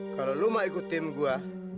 kalo lu mau ikut tim gua